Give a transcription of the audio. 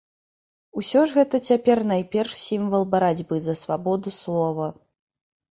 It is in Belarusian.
Усё ж гэта цяпер найперш сімвал барацьбы за свабоду слова.